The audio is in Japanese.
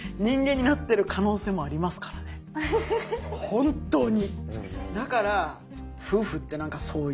本当に！